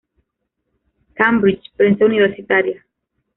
Cambridge Prensa universitaria.